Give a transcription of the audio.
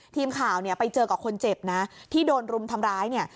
ทีมข่าวเนี่ยไปเจอกับคนเจ็บนะที่โดนรุมทำร้ายเนี่ย